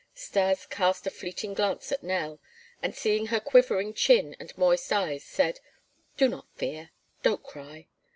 Stas cast a fleeting glance at Nell, and seeing her quivering chin and moist eyes, said: "Do not fear; don't cry."